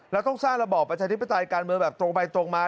แล้วต้องสร้างระบอบประชาธิปไตยการเมืองแบบตรงไปตรงมา